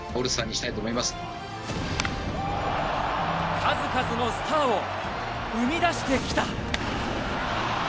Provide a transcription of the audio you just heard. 数々のスターを生み出してきた。